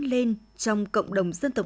chúc các bạn có một ngày tốt